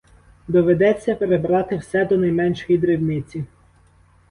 Доведеться перебрати все до найменшої дрібниці.